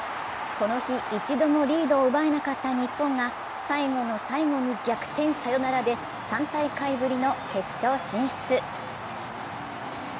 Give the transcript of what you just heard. この日、一度もリードを奪えなかった日本が最後の最後に逆転サヨナラで３大会ぶりの決勝進出。